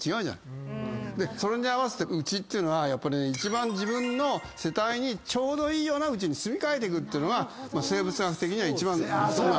それに合わせてうちっていうのは一番自分の世帯にちょうどいいようなうちに住み替えていくってのが生物学的には一番理想なの。